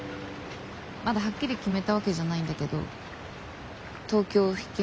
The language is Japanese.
まだはっきり決めたわけじゃないんだけど東京を引き払おうかと思う。